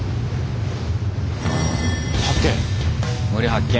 発見？